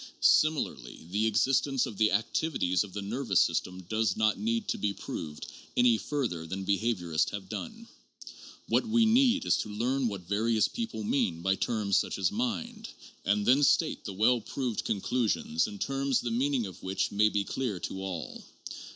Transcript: Similarly the existence of the activities of the nervous system does not need to be proved any further than behaviorists have done. What we need is to learn what various people mean by terms such as mind, and then state the well proved conclusions in terms the meaning of which may be clear to all.